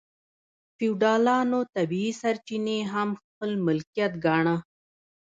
فیوډالانو طبیعي سرچینې هم خپل ملکیت ګاڼه.